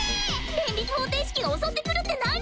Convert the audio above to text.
連立方程式が襲ってくるって何！？